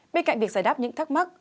bên cạnh việc giải đáp những thắc mắc